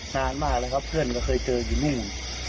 นานมากเลยครับเพื่อนก็เคยเจออยู่นิ่ง